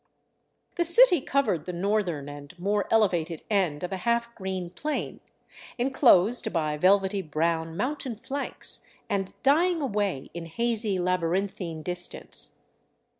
The city covered the northern and more elevated end of a half green plain, enclosed by velvety brown mountain flanks and dying away in hazy, labyrinthian distance.